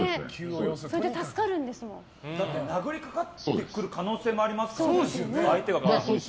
だって殴りかかってくるその可能性もありますね。